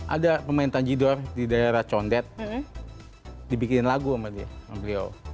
ada pemain tanjidor di daerah condet dibikin lagu sama dia sama beliau